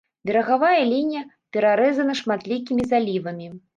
Берагавая лінія перарэзана шматлікімі залівамі.